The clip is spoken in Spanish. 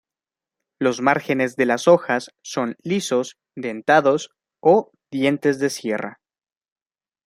Los márgenes de las hojas son lisos, dentados o dientes de sierra.